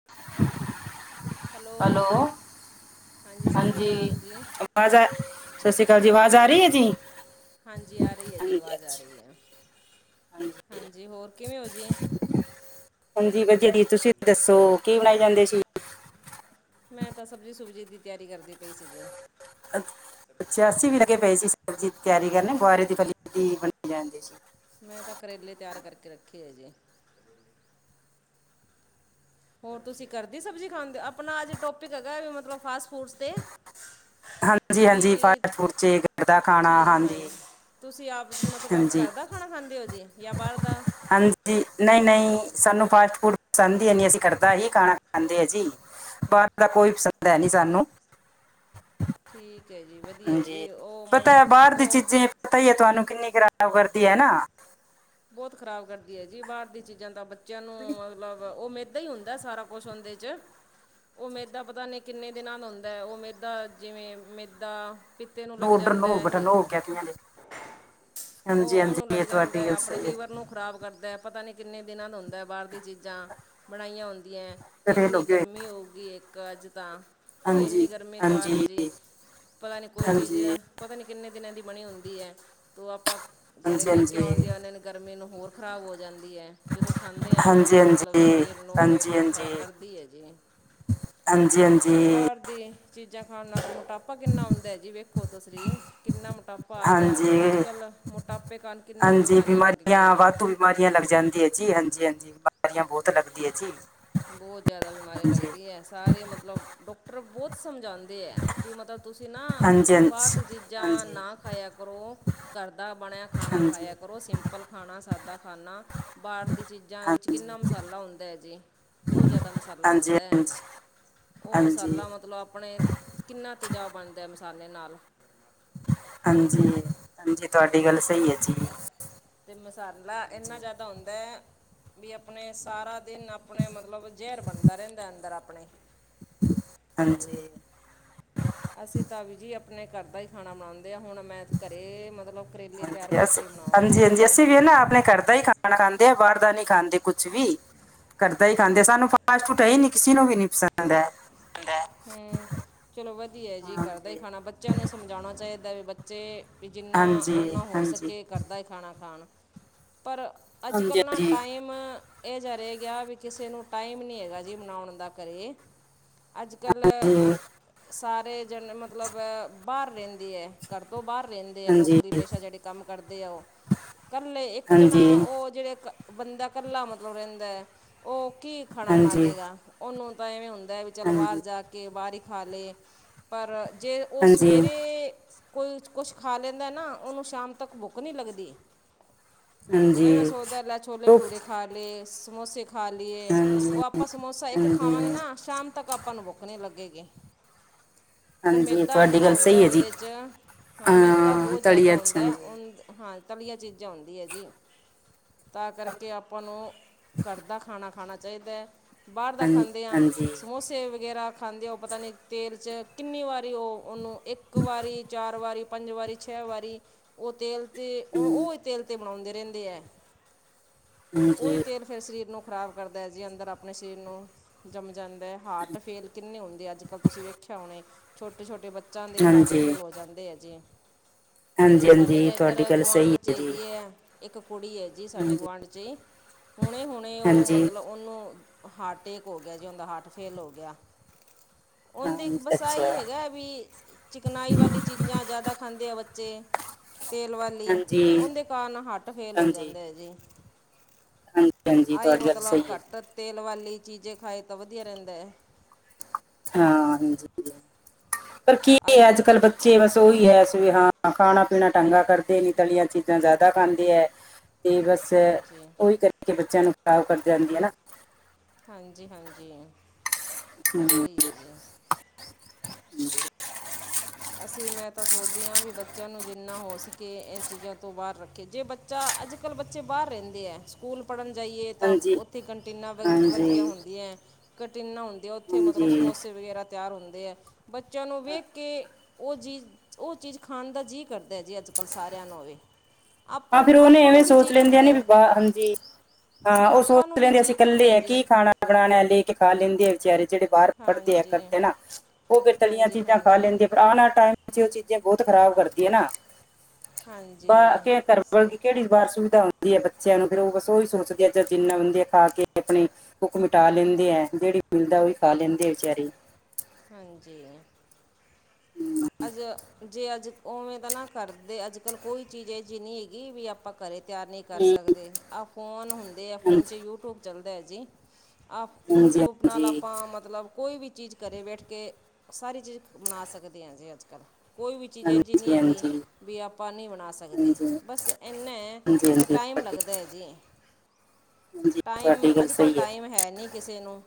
[inaudible] Hello. ਸਤਿ ਸ਼੍ਰੀ ਹਾਂਜੀ, ਅਕਾਲ ਜੀ ਆਵਾਜ਼ ਆ, ਸਤਿ ਸ੍ਰੀ ਅਕਾਲ ਜੀ, ਆਵਾਜ਼ ਆ ਹਾਂਜੀ ਰਹੀ ਹੈ ਜੀ। ਹਾਂਜੀ, ਆ ਰਹੀ ਹੈ ਜੀ ਹਾਂਜੀ ਆਵਾਜ਼, ਆ ਅੱਛਾ ਰਹੀ ਆ। ਹਾਂਜੀ, ਹੋਰ? ਕਿਵੇਂ ਹੋ ਜੀ? ਹਾਂਜੀ, ਵਧੀਆ ਜੀ। ਤੁਸੀਂ ਦੱਸੋ, ਕੀ ਬਣਾਏ ਜਾਂਦੇ ਸੀ? ਮੈਂ ਤਾਂ ਸਬਜ਼ੀ-ਸੁਬਜ਼ੀ ਦੀ ਤਿਆਰੀ ਕਰਦੀ ਪਈ ਸੀ ਜੀ। ਪਛਾਸੀ ਵੀ ਲੱਗੇ ਪਏ ਸੀ, ਸਬਜ਼ੀ ਦੀ ਤਿਆਰੀ ਕਰਨ, ਬੁਆਰੇ ਦੀ ਫਲੀ ਦੀ ਬ ਜਾਂਦੀ ਸੀ। ਮੈਂ ਤਾਂ ਕਰੇਲੇ ਤਿਆਰ ਕਰਕੇ ਰੱਖੇ ਹੈ ਜੇ। ਹੋਰ, ਤੁਸੀਂ ਕਰਦੀ ਸਬਜ਼ੀ ਖਾਂਦੇ? ਆਪਣਾ ਅੱਜ ਟੋਪਿਕ ਹੈਗਾ ਮਤਲਬ ਫਾਸਟ ਫੂਡਸ ਤੇ। ਹਾਂਜੀ ਵੀ -ਹਾਂਜੀ ਫਾਸਟ ਫੂਡ 'ਚ ਗਰ [unintelligible] ਦਾ ਖਾਣਾ, ਹਾਂਜੀ। ਤੁਸੀਂ ਆਪ ਮਤਲਬ, ਹਾਂਜੀ ਘਰ ਦਾ ਖਾਣਾ ਖਾਂਦੇ ਹੋ ਜੀ ਜਾਂ ਬਾਹਰ ਦਾ? ਹਾਂਜੀ ਨਹੀਂ, ਨਹੀਂ ਸਾਨੂੰ ਫਾਸਟ ਫੂਡ ਪਸੰਦ ਈ ਹੈ ਨੀ, ਅਸੀਂ ਘਰਦਾ ਹੀ ਖਾਣਾ ਖਾਂਦੇ ਆ ਜੀ। ਬਾਹਰ ਦਾ ਕੋਈ ਪਸੰਦ ਹੈ ਨੀ ਸਾਨੂੰ। ਠੀਕ ਹੈ ਜੀ, ਵਧੀਆ ਹਾਂਜੀ ਜੀ, ਉਹ ਪਤਾ ਮਲ ਹੈ ਬਾਹਰ ਦੀ ਉਹ ਪਤਾ ਈ ਹੈ ਤੁਹਾਨੂੰ ਕਿੰਨੀ ਖਰਾਬ ਕਰਦੀ ਹੈ ਨਾ? ਬਹੁਤ ਖਰਾਬ ਕਰਦੀ ਹੈ ਜੀ, ਬਾਹਰ ਦੀ ਚੀਜ਼ਾਂ ਤਾਂ ਬੱਚਿਆਂ ਨੂੰ, ਮਤਲਬ ਉਹ ਮੇ- ਏਦਾਂ ਈ ਹੁੰਦਾ ਸਾਰਾ ਕੁਛ ਉਹਦੇ 'ਚ। ਉਹ ਮੇਦਾ ਪਤਾ ਨਹੀਂ, ਕਿੰਨੇ ਦਿਨਾਂ ਦਾ ਹੁੰਦਾ ਹੈ? ਉਹ ਮੇਦਾ ਜਿਵੇਂ ਮੇਦਾ ਪਿੱਤੇ ਨੂੰ ਲੱਗ ਨੋ ਡਰ ਜਾਂਦਾ ਨੋ ਬਟਨ ਇਹ ਨੋ ਕਹਤੀਆਂ ਨੇ ਹਾਂਜੀ ਉਹ, ਹਾਂਜੀ ਉਹਨੂੰ ਲੱਗ ਇਹ ਜਾਂਦਾ, ਤੁਹਾਡੀ ਗੱਲ ਆਪਣੇ ਸਹੀ ਹੈ ਲਈ ਵਰ ਜੀ ਨੂੰ ਖਰਾਬ ਕਰਦਾ, ਪਤਾ ਨਹੀਂ ਕਿੰਨੇ ਦਿਨਾਂ ਦਾ ਹੁੰਦਾ? ਬਾਹਰ ਦੀ ਚੀਜ਼ਾਂ ਬਣਾਈਆਂ। ਦੀਆਂ, ਫੇਲ ਹੋ ਏਨੀ ਗਏ ਗਰਮੀ ਹੋਗੀ ਇੱਕ ਅੱਜ ਤਾਂ, ਵੀ ਹਾਂਜੀ ਇੰਨੀ ਗਰਮੀ ਹਾਂਜੀ ਕਾਰਨ ਹਾਂਜੀ ਜੀ, ਪਤਾ ਨੀ ਕੋਈ ਚੀਜ਼, ਹਾਂਜੀ ਪਤਾ ਨੀ ਕਿੰਨੇ ਦਿਨਾਂ ਦੀ ਬਣੀ ਹੁੰਦੀ ਹੈ? ਤੋ ਆਪਾਂ ਘਰੇ ਲੈ ਕੇ ਹਾਂਜੀ ਆਉਂਦੇ ਆ ਉਹਨਾਂ ਨੂੰ। ਗਰਮੀ ਨੂੰ ਹੋਰ ਖ਼ਰਾਬ ਹੋ ਜਾਂਦੀ। ਦੀ ਏ, ਜਦੋਂ ਖਾਂਦੇ ਹਾਂ ਫਿਰ ਹਾਂਜੀ ਤਾਂ ਮਤਲਬ ਹਾਂਜੀ ਸਰੀਰ ਨੂੰ, ਪੇਟ ਨੂੰ ਖ਼ਰਾਬ ਕਰਦੀ ਹੈ ਜੀ। ਤੇ ਹਾਂਜੀ-ਹਾਂਜੀ। ਬਾਹਰ ਦੀ ਚੀਜ਼ਾਂ ਖਾਣ ਨਾਲ ਮੋਟਾਪਾ ਕਿੰਨਾ ਆਉਂਦਾ ਜੀ? ਵੇਖੋ ਤੁਸੀਰੀ ਕਿੰਨਾ ਮੋਟਾਪਾ ਪਾ ਗਿਆ, ਹਾਂਜੀ ਅੱਜ-ਕੱਲ੍ਹ ਮੋਟਾਪੇ ਕਾਰਨ ਕਿੰਨੀ ਬਿਮਾਰੀਆਂ ਲੱਗੀਆਂ। ੀਆਂ [unintelligible] ਵਾਧੂ ਬਿਮਾਰੀਆਂ ਲੱਗ ਜਾਂਦੀ ਹੈ ਜੀ। ਹਾਂਜੀ-ਹਾਂਜੀ ਬਿਮਾਰੀਆਂ ਬਹੁਤ ਲੱਗਦੀ ਹੈ ਜੀ। ਬਹੁਤ ਜਿਆਦਾ ਬਿਮਾਰੀ ਹਾਂਜੀ ਲੱਗਦੀ ਹੈ। ਸਾਰੇ ਮਤਲਬ ਡਾਕਟਰ ਬਹੁਤ ਸਮਝਉਂਦੇ। ਦੇ ਏ, ਵੀ ਮਤਲਬ ਤੁਸੀਂ ਨਾ, ਹਾਂਜੀ ਹਾਂਜੀ ਬਾਹਰ ਦੀ ਚੀਜ਼ਾਂ ਹਾਂਜੀ ਨਾ ਖਾਇਆ ਕਰੋ। ਘਰ ਦਾ ਬਣਿਆ ਖਾਣਾ ਹਾਂਜੀ ਖਾਇਆ ਕਰੋ, ਉਹ ਸਿੰਪਲ ਖਾਣਾ, ਸਾਦਾ ਖਾਣਾ, ਬਾਹਰ ਦੀ ਚੀਜ਼ਾਂ ਵਿੱਚ ਹਾਂਜੀ ਕਿੰਨਾ ਮਸਾਲਾ ਹੁੰਦਾ ਹੈ ਜੀ। ਬਹੁਤ ਜ਼ਿਆਦਾ ਮਸਾਲਾ ਹਾਂਜੀ ਹੁੰਦਾ ਏ, ਉਹ ਹਾਂਜੀ ਮਸਾਲਾ ਮਤਲਬ ਆਪਣੇ ਕਿੰਨਾ ਤੇਜਾਬ ਬਣਦਾ ਮਸਾਲੇ ਨਾਲ। ਹਾਂਜੀ, ਹਾਂਜੀ ਤੁਹਾਡੀ ਗੱਲ ਸਹੀ ਹੈ ਜੀ। ਤੇ ਮਸਾਲਾ ਇੰਨਾ ਹਾਂਜੀ ਜਿਆਦਾ ਹੁੰਦਾ ਐ। ਵੀ ਆਪਣੇ ਸਾਰਾ ਦਿਨ, ਆਪਣੇ ਮਤਲਬ ਜੇਰ ਬਣਦਾ ਰਹਿੰਦਾ ਅੰਦਰ ਆਪਣੇ। ਹਾਂਜੀ। ਅਸੀਂ ਤਾਂ ਵੀ ਜੀ, ਆਪਣੇ ਘਰ ਦਾ ਹੀ ਖਾਣਾ ਮੰਨਦੇ ਆ ਹੁਣ। ਮੈਂ ਘਰੇ, ਮਤਲਬ ਕਰੇਲੇ ਤਿਆਰ ਹਾਂਜੀ ਅਸੀਂ ਕਰਕੇ ਬਣਾਵਾਂਗੀ ਹਾਂਜੀ ਅੱਜ। ਹਾਂਜੀ ਅਸੀਂ ਵੀ ਨਾ ਆਪਣੇ ਕਰ। ਦਾ ਹੀ ਖਾਣਾ ਖਾਂਦੇ ਆ, ਬਾਹਰ ਦਾ ਨੀ ਖਾਂਦੇ ਕੁਛ ਵੀ। ਕਰਦਾ ਹੀ ਖਾਂਦੇ। ਸਾਨੂੰ ਫਾਸਟ ਫੂਟ ਹੈ ਈ ਨੀ ਕਿਸੇ ਨੂੰ ਵੀ ਨੀ ਪਸੰਦ ਹੈ। ਹੂੰ, ਚਲੋ ਵਧੀਆ ਜੀ, ਘਰਦਾ ਹੀ ਖਾਣਾ, ਬੱਚਿਆਂ ਨੂੰ ਸਮਝਾਉਣਾ ਚਾਹੀਦਾ ਵੀ ਬੱਚੇ ਵੀ ਜਿੰਨਾ ਹਾਂਜੀ ਓਨਾਂ ਹੋ ਹਾਂਜੀ ਸਕੇ। ਘਰਦਾ ਹੀ ਖਾਣਾ ਖਾਣ ਪਰ ਹਾਂਜੀ ਅੱਜ-ਕੱਲ੍ਹ ਨਾ ਹਾਂਜੀ ਟਾਈਮ ਇਹ ਜਾ ਰੇ ਗਿਆ, ਵੀ ਕਿਸੇ ਨੂੰ ਟਾਈਮ ਨੀ ਹੈਗਾ ਜੀ ਮਨਾਉਣ ਦਾ ਘਰੇ। ਅੱਜ-ਕੱਲ੍ਹ। ਸਾਰੇ ਜਨ, ਮਤਲਬ ਬਾਹਰ ਰਹਿੰਦੀ ਹੈ, ਘਰ ਤੋਂ ਬਾਹਰ ਰਹਿੰਦੀ ਦੇਆ ਹਾਂਜੀ ਨੋਕਰੀ ਹਾਂਜੀ ਪੇਸ਼ਾ ਜੇੜੇ ਕੰਮ ਕਰਦੇ ਆ ਓ, ਕਰਲਏ ਹਾਂਜੀ ਇੱਕ ਜਣਾ ਹਾਂਜੀ ਉਹ ਜਿਹੜੇ ਬੰਦਾ ਕੱਲਾ ਮਤਲਬ ਰੇਂਦੈ, ਓ ਕੀ ਖਾਣਾ ਬਣਾ ਹਾਂਜੀ ਲੇਗਾ ਉਹਨੂੰ ਤਾਂ ਇਵੇਂ ਹੁੰਦੈ ਵੀ ਚਲੋ ਬਾਹਰ ਹਾਂਜੀ ਜਾ ਕੇ ਬਾਹਰ ਹੀ ਖਾ ਲੇ, ਪਰ ਜੇ ਓ ਸਵੇਰੇ ਕੋਈ ਕੁਛ ਖਾ ਲੈਂਦਾ ਨਾ ਉਹਨੂੰ ਸ਼ਾਮ ਤੱਕ ਬੁੱਕ ਨੀਂ ਲੱਗਦੀ। ਹਾਂਜੀ ਐਵੇਂ ਸੋਚਦਾ ਲੈ ਛੋਲੇ ਭਟੂਰੇ ਖ ਖਾ ਲੇ ਸਮੋਸੇ ਖਾਲੀਏ ਹਾਂਜੀ ਉਹ ਆਪਾਂ ਸਮੋਸਾ ਇੱਕ ਖਾਵਾਂਗੇ ਹਾਂਜੀ ਨਾ ਸ਼ਾਮ ਤੱਕ ਆਪਾਂ ਨੂੰ ਬੁੱਖ ਨੀਂ ਲੱਗੇਗੀ, ਉਹ ਹਾਂਜੀ ਮੇਦਾ ਤੁਹਾਡੀ ਇਨਾ ਗੱਲ ਹੁੰਦਾ ਸਹੀ ਹੈ ਜੀ ਓਂਦੇ ਚ ਹਾਂ ਮੇਦਾ ਬੋਤ ਜ਼ਿਆਦਾ ਤਲੀ ਅੱਛਾ ਉਂਦੈ ਜੀ ਉਂ ਹਾਂ ਤਲੀਆ ਚੀਜ਼ਾਂ ਓਂਦੀ ਐ ਜੀ। ਤਾਂ ਕਰਕੇ ਆਪਾਂ ਨੂੰ ਘਰ ਦਾ ਖਾਣਾ ਖਾਣਾ ਚਾਈਦੈ ਬਾਹਰ ਦਾ ਹਾਂਜੀ ਖਾਂਦੇ ਆਂ ਹਾਂਜੀ ਸਮੋਸੇ ਵਗੇਰਾ ਖਾਂਦੇ ਹੋ ਪਤਾ ਨਹੀਂ ਤੇਲ ਚ ਕਿੰਨੀ ਵਾਰੀ ਉਹ ਓਨੂੰ ਇੱਕ ਵਾਰੀ, ਚਾਰ ਵਾਰੀ, ਪੰਜ ਵਾਰੀ, ਛੇ ਵਾਰੀ ਉਹ ਤੇਲ ਤੇ ਉਹ ਉਹਹੀ ਤੇਲ ਤੇ ਬਣਾਉਂਦੇ ਰਹਿੰਦੇ ਐ ਉਹੀ ਹਾਂਜੀ ਤੇਲ ਫਿਰ ਸਰੀਰ ਨੂੰ ਖ਼ਰਾਬ ਕਰਦਾ ਜੀ ਅੰਦਰ ਆਪਣੇ ਸ਼ਰੀਰ ਨੂੰ ਜੰਮ ਜਾਂਦਾ ਹਾਰਟ ਫੇਲ ਕਿੰਨੇ ਹੁੰਦੇ ਅੱਜ ਕੱਲ੍ਹ ਤੁਸੀਂ ਵੇਖਿਆ ਹੁਣੇ ਛੋਟੇ ਛੋਟੇ ਬੱਚੇ ਬੱਚਿਂਆਂ ਦੇ ਹਾਰਟ ਹਾਂਜੀ ਫੇਲ ਹੋ ਜਾਂਦੇ ਆ ਜੇ। ਹਾਂਜੀ ਸਾਡੇ ਹਾਂਜੀ ਤਾਂ ਤੁਹਾਡੀ ਇੱਧਰ ਗੱਲ ਸਹੀ ਗੁਆਂਢ 'ਚ' ਹੈ ਜੀ ਹੇਗੀ ਐ ਇੱਕ ਕੁੜੀ ਏ ਜੀ ਸਾਡੇ ਹਾਂਜੀ ਗੁਆਂਢ 'ਚ' ਈ। ਹੁਣੇ ਹੁਣੇ ਉਹ ਹਾਂਜੀ ਮਤਲਬ ਓਂਨੂੰ ਹਾਟੇਕ ਹੋ ਗਿਆ ਜੇ ਓਂਦਾ ਹਾਟ ਫੇਲ ਹੋ ਗਿਆ। ਹਾਂ ਓਂਦੇ ਬਸ ਅੱਛਾ ਆਈ ਹੇਗੈ ਵੀ ਚਿਕਨਾਈ ਵਾਲੀ ਚੀਜ਼ਾਂ ਜ਼ਿਆਦਾ ਖਾਂਦੇ ਆ ਬੱਚੇ, ਤੇਲ ਵਾਲ ਹਾਂਜੀ ਓਂਦੇ ਕਾਰਨ ਹਾੱਟ ਫੇਲ ਹੋ ਹਾਂਜੀ ਜਾਂਦੈ ਜੀ। ਹਾਂਜੀ ਹਾਂਜੀ ਆਈ ਤੁਹਾਡੀ ਗੱਲ ਸਹੀ ਮਤਲਬ ਹੈ ਘੱਟ ਜੀ ਤੇਲ ਵਾਲੀ ਚੀਜ਼ਾਂ ਖਾਏ ਤਾਂ ਵਧੀਆ ਰਹਿੰਦੈ। ਹਾਂ, ਪਰ ਕੀ ਆਈ ਐ ਅੱਜ ਦੁੱਧ ਕੱਲ ਘਿ- ਬੱਚੇ ਬਸ ਤੇ ਓਈ ਐ ਫੇ ਹਾਂ ਖਾਣਾ ਪੀਣਾ ਢੰਗ ਦਾ ਕਰਦੇ ਨੀ ਤਲੀ਼ਆਂ ਚੀਜ਼ਾਂ ਜ਼ਿਆਦਾ ਖਾਂਦੇ ਐ। ਅਤੇ ਬਸ ਹਾਂਜੀ ਉਹੀ ਕਰਕੇ ਬੱਚਿਆਂ ਨੂੰ ਖਰਾਬ ਕਰਦੀ ਜਾਂਦੀ ਐ ਨਾ। ਹਾਂਜੀ-ਹਾਂਜੀ, ਹਮ, ਸਹੀ ਹੈ ਜੀ। ਅਸੀਂ ਮੈਂ ਤਾਂ ਸੋਚਦੀ ਆਂ ਵੀ ਬੱਚਿਆਂ ਨੂੰ ਜਿੰਨਾ ਹੋ ਸਕੇ ਇਹ ਚੀਜ਼ਾਂ ਤੋਂ ਬਾਹਰ ਰੱਖੇ। ਜੇ ਬ ਚ ਅੱਜ ਕੱਲ ਬੱਚੇ ਬਾਹਰ ਰਹਿੰਦੇ ਐ। ਸਕੂਲ ਪੜ੍ਹਨ ਜਾਈਏ ਤਾਂ ਹਾਂਜੀ ਉੱਥੇ ਕੰਟੀਨਾਂ ਵਰ ਵਰਗੀਆਂ ਹਾਂਜੀ ਹੁੰਦੀਐਂ ਕੰਟੀਨਾ ਹੁੰ ਦੇ ਉੱਥੇ ਮਤਲਬ ਹਾਂਜੀ ਸਮੋਸੇ ਵਗੈਰਾ ਤਿਆਰ ਹੁੰਦੇ ਐ ਬੱਚਿਆਂ ਨੂੰ ਵੇਖ ਕੇ ਓ ਜੀ ਓ ਚੀਜ਼ ਖਾਣ ਦਾ ਜੀਅ ਕਰਦੈ ਜੀ ਅੱਜ ਕੱਲ੍ਹ ਸਾਰਿਆਂ ਨੂੰ ਵੇ ਹਾਂ ਫੇਰ ਉਹਨੇ ਐਵੇਂ ਸੋਚ ਲੈਂਦੀਆਂ ਨੇ ਵੀ ਹੈ ਬਾਹ ਹਾਂਜੀ। ਹਾਂ ਉਹ ਆਪਾਂ ਸੋਚ ਨੂੰ ਵੀ ਲੈਂਦੇ ਅਸੀਂ ਜੀ ਕੱਲੇ ਕਰਦਾ ਐ ਜੀ ਕੀ ਖਾਣਾ ਬਣਾਣਾ ਲੇ ਕੇ ਖਾ ਲੇਂਦੇ ਆ ਵਿਚਾਰੇ। ਜੇੜੇ ਬਾਹਰ ਪੜ੍ਹਦੇ ਆ ਹਾਂਜੀ ਕਰਦੇ ਨਾ, ਉਹ ਫੇਰ ਤਲੀਆਂ ਹਾਂਜੀ ਚੀਜ਼ਾਂ ਖਾ ਹਾਂਜੀ ਲੈਂਦੇ ਆਉਣ ਵਾਲ ਟਾਈਮ ਵਿੱਚ ਉਹ ਚੀਜ਼ਾਂ ਬਹੁਤ ਖਰਾਬ ਕਰਦੀਆਂ ਨਾ। ਬਾ ਹਾਂਜੀ। ਕੇ ਘਰ ਸੇ ਕਿਹੜੀ ਬਾਹਰ ਸੁਵਿਧਾ ਹੁੰਦੀ ਐ ਬੱਚਿਆਂ ਨੂੰ ਫਿਰ ਉਹ ਬਸ ਉਹੀ ਸੋਚਦੇ ਆ ਜ ਜਿੰਨਾ ਬੰਦੇ ਆ ਖਾ ਕੇ ਆਪਣੇ। ਭੁੱਖ ਮਿਟਾ ਲੇਂਦੇ ਐ ਜਿਹੜੀ ਮਿਲਦਾ ਉਹ ਹੀ ਖਾ ਲੇਂਦੇ ਆ ਵਿਚਾਰੇ। ਹਾਂਜੀ। ਅਜ ਜੇ ਅੱਜ ਉਵੇਂ ਤਾਂ ਨਾ ਕਰਦੇ ਅੱਜ ਕੱਲ੍ਹ ਕੋਈ ਚੀਜ਼ ਏਜੀ ਨੀਂ ਹੇਗੀ ਵੀ ਆਪਾਂ ਘਰੇ ਤਿਆਰ ਨੀਂ ਕਰ ਹਮ, ਸਕਦੇ, ਆ ਫੋਨ ਹੁੰਦੇ ਆ ਫ਼ੋਨ 'ਚ ਹਾਂਜੀ ਯੂਟਿਊਬ ਚੱਲਦੈ ਜੀ ਅ ਹਾਂਜੀ ਯੂਟਿਊਬ ਨਾਲ ਹਾਂਜੀ ਆਪਾਂ ਮਤਲਬ ਕੋਈ ਵੀ ਚੀਜ਼ ਕਰੇ ਬੇਠ ਕੇ, ਸਾਰੀ ਚੀਜ਼ ਬਣਾ ਸਕਦੇ ਆਂ ਜੇ ਅੱਜ ਕੱਲ੍ਹ। ਕੋਈ ਵੀ ਚੀਜ਼ ਹਾਂਜੀ ਏਜੀ ਨੀ ਹੇਗੀ ਹਾਂਜੀ ਵੀ ਆਪਾਂ ਨੀਂ ਬਣਾ ਸਕਦੇ। ਹਾਂਜੀ ਬਸ ਏਨੈ ਵੀ ਹਾਂਜੀ ਟਾਈਮ ਲੱਗਦਾ ਐ ਜੀ, ਹਾਂਜੀ ਟਾਈਮ ਤੁਹਾਡੀ ਗੱਲ ਅੱਜ ਕੱਲ੍ਹ ਸਹੀ ਟਾਈਮ ਹੈ ਨੀ। ਕਿਸੇ ਨੂੰ,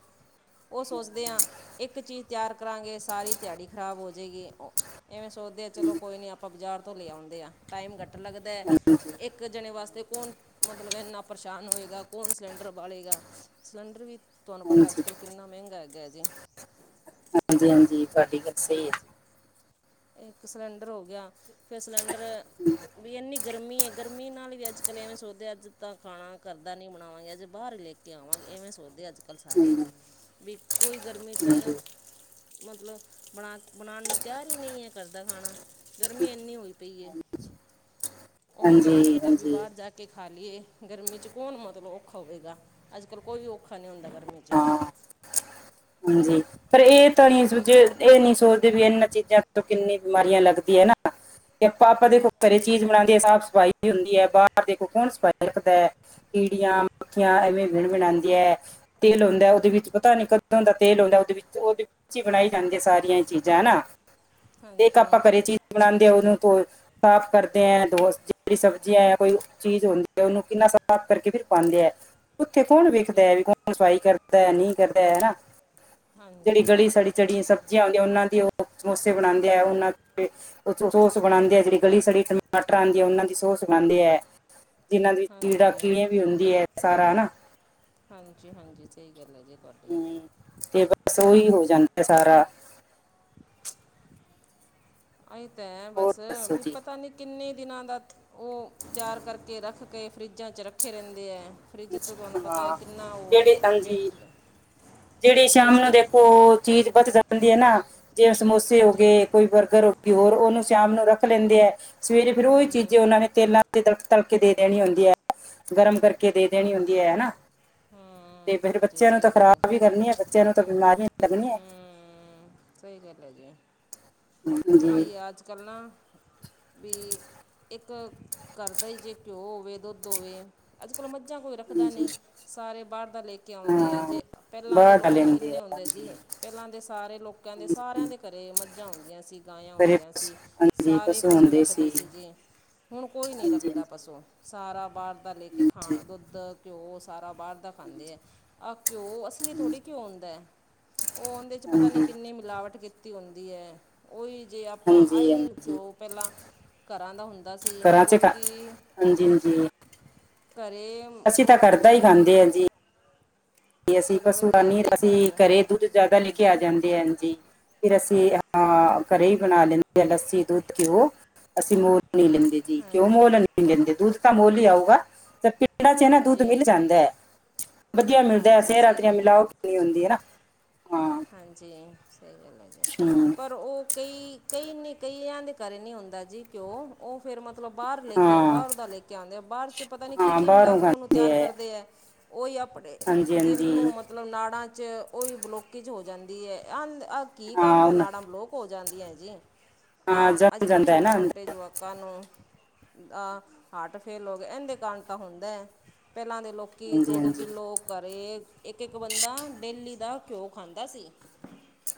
ਓ ਸੋਚਦੇ ਆਂ ਇੱਕ ਚੀਜ਼ ਤਿਆਰ ਕਰਾਂਗੇ ਸਾਰੀ ਤਿਆੜੀ ਖ਼ਰਾਬ ਹੋ ਦਈਏ ਉਹ ਇਵੇਂ ਸੋਚਦੇ ਆ ਜੀ। ਚਲੋ ਕੋਈ ਨੀਂ ਆਪਾਂ ਬਜਾਰ ਤੋਂ ਲੇ ਆਉਂਦੇ ਆਂ। ਟਾਈਮ ਕੱ ਲੱਗਦੈ, ਹਾਂਜੀ ਹਾਂਜੀ ਇੱਕ ਜਣੇ ਵਾਸਤੇ ਕੋਣ ਮਤਲਬ ਏਂਨਾ ਪਰੇਸ਼ਾਨ ਹੋਏਗਾ ਕੋਣ ਸਿਲੰਡਰ ਬਾਲੇ਼ਗਾ? ਸਿਲੰਡਰ ਵੀ ਤੁਹਾਨੂੰ ਪਤਾ ਅੱਜ ਕੱਲ੍ਹ ਕਿੰਨਾ ਮਹਿੰਗਾ ਹੈਗਾ ਜੀ। ਹਾਂਜੀ ਹਾਂਜੀ ਤੁਹਾਡੀ ਗੱਲ ਸਹੀ ਹੈ। ਇੱਕ ਸਿਲੰਡਰ ਹੋ ਗਿਆ ਫਿਰ ਸਿਲੰਡਰ ਜੀ। ਵੀ ਇਨੀ ਗਰਮੀ ਹੈ ਗਰਮੀ ਨਾਲ ਵੀ ਅੱਜ ਕੱਲ੍ਹ ਐਵੇਂ ਸੋਚਦੇ ਅੱਜ ਤਾਂ ਖਾਣਾ ਕਰਦਾ ਨਹੀਂ ਬਣਾਵਾਂਗੇ ਅ ਜੇ ਬਾਹਰ ਲੈ ਕੇ ਕੇ ਆਾਂਗੇ ਇਹਵੇਂ ਸੋਚਦੇ ਅੱਜ ਕੱਲ ਸਾਰੇ ਹਮ, ਵੀ ਕੋਈ ਗਰਮੀ ਚ ਹਾਂਜੀ ਮਤਲਬ ਬਣਾ ਬਣਾਉਣ ਲਈ ਤਿਆਰ ਦਿਲ ਹੀ ਨਹੀਂ ਕਰਦਾ ਖਾਣਾ ਗਰਮੀ ਇਨੀ ਹੋਈ ਪਈ ਉਹ ਇਵੇਂ ਹਾਂਜੀ ਲੱਗਦਾ ਵੀ ਹਾਂਜੀ ਬਾਹਰ ਜਾ ਕੇ ਕੇ ਖਾ ਲਈਏ ਗਰਮੀ 'ਚ ਕੌਣ ਮਤਲਬ ਔਖਾ ਹੋਵੇਗਾ ਅੱਜ ਕੱਲ੍ਹ ਕੋਈ ਵੀ ਔਖਾ ਨਹੀਂ ਹੁੰਦਾ ਗਰਮੀ 'ਚ। ਹਾਂ ਹਾਂਜੀ ਪਰ ਇਹ ਤਾਂ ਨ ਸੋਝੇ ਇਹ ਨੀ ਸੋਚਦੇ ਵੀ ਇਹਨਾਂ ਚੀਜ਼ਾਂ ਤੋਂ ਕਿੰਨੀ ਬਿਮਾਰੀਆਂ ਲੱਗਦੀਆਂ ਹੈ ਨਾ ਤੇ ਆਪਾਂ ਆਪਾਂ ਦੇਖੋ ਘਰੇ ਚੀਜ਼ ਬਣਾਉਂਦੇ ਹ ਸਾਫ ਸਫਾਈ ਹੁੰਦੀ ਹੈ ਬਾਹਰ ਦੇਖੋ ਕੌਣ ਸਫ਼ਾਈ ਭਟਕਦੀਆਂ ਕੀੜੀਆਂ ਮੱਖੀਆਂ ਐਵੇਂ ਭਿੰਨ ਭਿਨਾਉਂਦੀਆਂ ਤੇਲ ਹੁੰਦਾ ਉਹਦੇ ਵਿੱਚ ਪਤਾ ਅੱਜ ਕੱਲ ਤਾਂ ਉਹਦਾ ਤੇਲ ਹੁੰਦਾ ਉਹਦੇ ਵਿੱਚ ਉਹਦੇ ਵਿੱਚ ਹੀ ਬਣਾਈ ਜਾਂਦੀ ਸਾਰੀਆਂ ਚੀਜ਼ਾਂ ਹਨਾ ਤੇ ਇੱਕ ਹਾਂਜੀ ਆਪਾਂ ਘਰੇ ਚੀਜ਼ ਬਣਾਉਂਦੇ ਆ ਉਹਦੇ ਕੋ ਸਾਫ਼ ਕਰਦੇ ਹੈ ਦੋਸ ਜਿਹੜੀ ਸਬਜ਼ੀਆਂ ਹੈ ਕੋਈ ਚੀਜ਼ ਓਹੀ ਆ ਉਹਨੂੰ ਕਿੰਨਾ ਸਾਫ਼ ਕਰਕੇ ਵੀ ਪਾਉਂਦੇ ਆ ਉੱਥੇ ਕੌਣ ਹਾਂਜੀ ਵੇਖਦਾ ਹੈ ਵੀ ਕੌਣ ਸਫਾਈ ਕਰਦਾ ਨਹੀਂ ਕਰਦਾ ਹਨਾ ਜਿਹੜੀ ਹਾਂਜੀ ਗਲੀ ਸੜੀਆਂ ਜਿੜੀਆਂ ਸਬਜ਼ੀਆਂ ਆਂਦੀਆਂ ਉਹਨਾਂ ਦੀ ਉਹ ਸਮੋਸੇ ਬਣਾਉਂਦੇ ਆ ਉਹਨਾਂ ਦੇ ਸੋਸ ਬਣਾਉਂਦੇ ਆ ਜਿਹੜੀ ਗਲੀ ਸਲੀ ਟਮਾਟਰ ਆਉਂਦੇ ਆ ਉਹਨਾਂ ਦੀ ਬਣਾਾਉਂਦੇ ਹੈ ਜਿਹਨਾਂ ਦੀ ਕੀੜਾ ਹਾਂਜੀ ਕੀੜੇ ਵੀ ਹੁੰਦੀ ਹੈ ਸਾਰਾ ਹਨਾ ਹਾਂਜੀ ਹਾਂਜੀ ਸਹੀ ਗੱਲ ਹੈ ਜੀ ਤੁਹਾਡੀ ਹਮ ਤੇ ਬਸ ਉਹੀ ਹੋ ਜਾਂਦਾ ਸਾਰਾ ਅ ਤਾਂ ਹੈ ਹੋਰ ਬਸ ਦੱਸੋ ਵੀ ਜੀ ਪਤਾ ਨੀ ਕਿੰਨੇ ਦਿਨਾਂ ਦਾ ਉਹ ਤਿਆਰ ਕਰਕੇ ਰੱਖ ਕੇ ਫਰਿੱਜਾਂ 'ਚ ਰੱਖੇ ਰਹਿੰਦੇ ਹੈ ਫਰਿੱਜ ਤੋਂ ਤੁਹਾਨੂੰ ਪਤਾ ਹੈ ਹਾਂ ਕਿੰਨਾ ਉਹ ਜਿਹੜੇ ਹਾਂਜੀ ਵੇਕਟ ਜਿਹੜੀ ਸ਼ਾਮ ਨੂੰ ਦੇਖੋ ਚੀਜ਼ ਬਚ ਜਾਂਦੀ ਹੈ ਨਾ ਜਿਵੇਂ ਸਮੋਸੇ ਹੋ ਹਾਂਜੀ ਗਏ ਕੋਈ ਬਰਗਰ ਹੋ ਫਿਰ ਉਹਨੂੰ ਸ਼ਾਮ ਨੂੰ ਰੱਖ ਲੈਂਦੇ ਹੈ ਸਵੇਰੇ ਫੇਿਰ ਉਹੀ ਹਾਂਜੀ ਚੀਜ਼ਾਂ ਉਹਨਾਂ ਨੇ ਤੇਲਾਂ ਤਲਕ ਤਲਕੇ ਦੇ ਦੇਣੀ ਹੁੰਦੀ ਹੈ ਗਰਮ ਕਰਕੇ ਦੇ ਦੇਣੀ ਹੁੰਦੀ ਹੈ ਹਨਾ ਤੇ ਹੂੰ ਫਿਰ ਹਾਂਜੀ ਬੱਚਿਆਂ ਨੂੰ ਸਹੀ ਤਾਂ ਗੱਲ ਹੈ ਖ਼ਰਾਬ ਵੀ ਕਰਨੀ ਹੈ ਬੱਚਿਆਂ ਨੂੰ ਤਾਂ ਬਿਮਾਰੀਆਂ ਵੀ ਲੱਗਣੀਆਂ ਹੂੰ ਸਹੀ ਗੱਲ ਜੀ ਜੀ ਆਈਏ ਅੱਜ ਕੱਲ ਨਾ ਵੀ ਇੱਕ ਘਰ ਦਾ ਹੀ ਜੇ ਘਿਓ ਹੋਵੇ ਦੁੱਧ ਹੋਵੇ ਅੱਜ ਕੱਲ ਮੱਝਾਂ ਕੋਈ ਰੱਖਦਾ ਹਾਂਜੀ ਨਹੀਂ ਸਾਰੇ ਬਾਹਰ ਦਾ ਲੇਕ ਆਉਂਦੇ ਹੈ ਹਾਂ ਜੇ ਪਹਿਲਾਂ ਦੇ ਬਾਹਰ ਲੋਕੀ ਲੈਂਦੇ ਕਿੰਨੇ ਆ ਆਉਂਦੇ ਜੀ ਹਾਂਜੀ ਪਹਿਲਾਂ ਦੇ ਸਾਰੇ ਲੋਕਾਂ ਦੇ ਸਾਰਿਆਂ ਹਾਂਜੀ ਦੇ ਘਰੇ ਮੱਝਾਂ ਹੁੰਂਦੀਆਂ ਸੀ ਗਾਵਾਂ ਕਰੇ ਹੁੰਦੀਆਂ ਸੀ ਸਾਰੇ ਪਸ਼ੂ ਰੱਖਦੇ ਸੀ ਜੀ ਹੁਣ ਕੋਈ ਨਹੀਂ ਹਾਂਜੀ ਰੱਖਦਾ ਪਸੂ ਸਾਰਾ ਬਾਹਰ ਦਾ ਲੈ ਕੇ ਹਾਂਜੀ ਹਾਂਜੀ ਖਾਣਾ ਦੁੱਧ ਘਿਓ ਸਾਰਾ ਬਾਹਰ ਦਾ ਖਾਂਦੇ ਆ ਹਾਂਜੀ ਆਹ ਘਿਉ ਅਸਲੀ ਥੋੜੀ ਘਿਉ ਹੁੰਦਾ ਹੈ ਉਹ ਉਹਦੇ ਚ ਪਤਾ ਨੀ ਕਿੰਨੀ ਮਿਲਾਵਟ ਕੀਤੀ ਹੁੰਦੀ ਹੈ ਉਹੀ ਜੇ ਆਪਾਂ ਹਾਂਜੀ ਹਾਂਜੀ ਆਈ ਹਾਂਜੀ ਘਿਓ ਪਹਿਲਾਂ ਘਰਾਂ ਦਾ ਹੁੰਦਾ ਸੀ ਘਰਾਂ 'ਚ ਖਾ ਲੋਕੀ ਹਾਂਜੀ ਹਾਂਜੀ ਘਰੇ ਅਸੀਂ ਤਾਂ ਉਹ ਕਰਦਾ ਹੀ ਘਿਓ ਖਾਂਦੇ ਹਾਂ ਜੀ ਅਸੀਂ ਚਲੋ ਪਸੂ ਤਾਂ ਵਧੀਆ ਨਹੀਂ ਜੀ ਅਸੀਂ ਘਰ ਦਾ ਘਰੇ ਦੁੱਧ ਜਿਆਦਾ ਲੈਕੇ ਹਾਂਜੀ ਆ ਜਾਂਦੇ ਹ ਜੀ ਫਿਰ ਅਸੀਂ ਹਾਂ ਘਰੇ ਹੀ ਬਣਾ ਲੈਂਦੇ ਆ ਲੱਸੀ ਦੁੱਧ ਘਿਓ ਅਸੀਂ ਮਤਲਬ ਲੈਂਦੇ ਜੀ ਕਿ ਉਹ ਹਾਂਜੀ ਮੁੱਲ ਨਹੀਂ ਦਿੰਦੇ ਦੁੱਧ ਤਾਂ ਮੁੱਲ ਹੀ ਆਊਗਾ ਤੇ ਜਿਹੜਾ ਚਾਹੀਦਾ ਨਾ ਦੁਧ ਹਾਂਜੀ ਮਿਲ ਜਾਂਦਾ ਹੈ ਵਧੀਆ ਮਿਲਦਾ ਹਾਂਜੀ ਸਹੀ ਤਰਾਂ ਗੱਲ ਹੈ ਮਿਲਾਓ ਹੁੰਦੀ ਹੈ ਹਾਂ ਹਾਂਜੀ ਸਹੀ ਗੱਲ ਹੈ ਜੀ ਹਮ, ਪਰ ਉਹ ਕਈ, ਕਈ ਨਹੀਂ ਕਈਆਂ ਦੇ ਘਰ ਨਹੀ ਹੁੰਦਾ ਜੀ ਘਿਉ ਉਹ ਫੇਰ ਮਤਲਬ ਬਾਹਰ ਲੈ ਕੇ ਆਉ ਹਾਂ ਬਾਹਰ ਦਾ ਲੈ ਕੇ ਆਉਂਦੇ ਆ ਬਾਹਰ 'ਚ ਪਤਾ ਨਹੀਂ ਹਾਂ ਕੀ-ਕੀ ਮਿਲਾ ਬਾਹਰੋਂ ਕੇ ਉਹਨੂੰ ਖਾਂਦੇ ਤਿਆਰ ਕਰਦੇ ਹੈ। ਉਹੀ ਆਪਣੇ ਹਾਂਜੀ ਦਿਲ ਨੂੰ ਹਾਂਜੀ ਮਤਲਬ ਨਾੜਾਂ 'ਚ ਉਹੀ ਬਲੋ ਬਲੋਕਜ ਹੋ ਜਾਂਦੀ ਹੈ ਅ ਆਹ ਕੀ ਕਾਰਨ ਹਾਂ ਤਾਂ ਉਹਨਾਂ- ਨਾੜਾ ਬਲੋਕ ਹੋ ਜਾਂਦੀ ਹੈ ਜੀ। ਹਾਂ ਆ, ਅੱਜ- ਜਮ ਕੱਲ੍ਹ ਜਾਂਦਾ ਹੈ ਨਾ ਛੋਟੇ-ਛੋਟੇ ਅੰਦਰ। ਜਵਾ ਲੋਕਾਂ ਨੂੰ ਅ ਹਾਰਟ ਫੇਲ ਹੋ ਗਿਆ, ਇਹਦੇ ਕਾਰਨ ਤਾਂ ਹੁੰਦਾ ਪਹਿਲਾਂ ਦੇ ਲੋਕ ਕਿ ਹਾਂਜੀ ਦੋ-ਦੋ ਹਾਂਜੀ ਕਿੱਲੋ ਘਰੇ, ਇੱਕ-ਇੱਕ ਬੰਦਾ ਡੇਲੀ ਦਾ ਘਿਓ ਖਾਂਦਾ ਸੀ।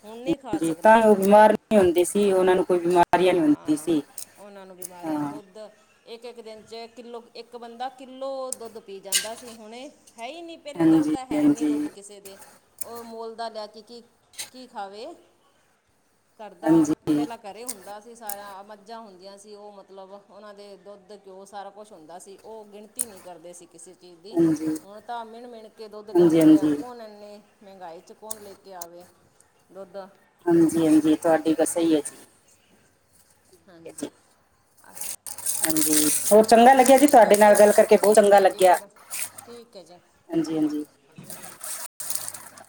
ਹੁਣ ਨਹੀਂ ਖਾ ਜੀ ਸਕਦਾ ਤਾਂ ਅੱਜ ਉਹ ਕੱਲ ਕੋਈ, ਬਿਮਾਰ ਨਹੀਂ ਹੁੰਦੇ ਸੀ ਉਹਨਾਂ ਨੂੰ ਕੋਈ ਬਿਮਾਰੀਆਂ ਨਹੀਂ ਹੁੰਦੀ ਹਾਂ। ਸੀ ਉਹਨਾਂ ਨੂੰ ਹਾਂ ਬਿਮਾਰੀਆਂ ਦੁੱਧ ਇੱਕ ਇੱਕ ਦਿਨ 'ਚ ਕਿੱਲੋ ਇੱਕ ਬੰਦਾ ਕਿੱਲੋ ਦੁੱਧ ਪੀ ਜਾਂਦਾ ਸੀ ਹੁਣੇ, ਹੈ ਹੀ ਨਹੀਂ ਪਹਿਲੀ ਗੱਲ ਹਾਂਜੀ ਤਾਂ ਹੈ ਨੀ ਹਾਂਜੀ ਦੁੱਧ ਕਿਸੇ ਦੇ, ਉਹ ਮੋਲ ਦਾ ਲੈ ਕੇ ਕੀ, ਕੀ ਖਾਵੇ, ਕਰਦਾ ਹਾਂਜੀ ਹਾਂਜੀ ਪਹਿਲਾਂ ਘਰੇ ਹੁੰਦਾ ਸੀ ਸਾਰਾ, ਮੱਝਾਂ ਹੁੰਦੀਆਂ ਸੀ ਉਹ ਮਤਲਬ ਉਹਨਾਂ ਦੇ ਦੁੱਧ ਘਿਓ ਸਾਰਾ ਕੁਛ ਹੁੰਦਾ ਸੀ ਉਹ ਗਿਣਤੀ ਨਹੀਂ ਕਰਦੇ ਸੀ ਕਿਸੇ ਚੀਜ ਦੀ, ਹਾਂਜੀ ਹੁਣ ਤਾਂ ਮਿਣ- ਮਿਣ ਕੇ ਦੁੱਧ ਲਿਆਉਂਦੇ ਆ, ਹਾਂਜੀ ਕੌਣ ਇੰਨੇ ਮਹਿੰਗਾਈ 'ਚ ਕੋਣ ਲੈ ਕੇ ਆਵੇ ਦੁੱਧ ਹਾਂਜੀ -ਹਾਂਜੀ, ਤੁਹਾਡੀ ਗੱਲ ਸਹੀ ਹੈ ਜੀ ਠੀਕ ਹੈ ਜੀ ਹਾਂਜੀ, ਆ ਹਾਂਜੀ, ਹੋਰ ਚੰਗਾ ਲੱਗਿਆ ਜੀ ਤੁਹਾਡੇ ਨਾਲ ਓ ਗੱਲ ਕਰਕੇ ਬਹੁਤ ਠੀਕ ਚੰਗਾ ਹੈ ਜੀ ਲੱਗਿਆ। ਫਿਰ ਠੀਕ ਹੈ ਜੀ ਹਾਂਜੀ-ਹਾਂਜੀ।